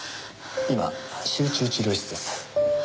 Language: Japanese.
今集中治療室です。